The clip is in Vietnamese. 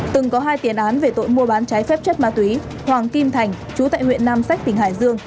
từng có hai tiền án về tội mua bán trái phép chất ma túy hoàng kim thành chú tại huyện nam sách tỉnh hải dương